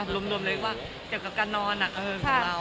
เรื่องการนอนของเรา